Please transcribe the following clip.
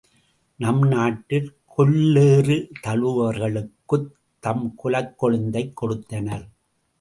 நம் நாட்டில் கொல்லேறு தழுவுவார்க்குத் தம் குலக்கொழுந்தைக் கொடுத்தனர்.